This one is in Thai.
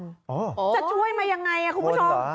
จะช่วยมีอย่างไรครับคุณผู้ชม